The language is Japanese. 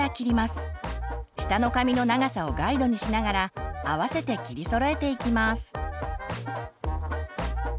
下の髪の長さをガイドにしながら合わせて切りそろえていきます。